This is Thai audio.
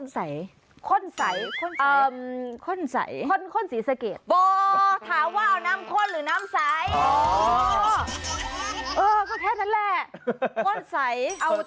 ถามว่าเอาน้ำค้นหรือน้ำใส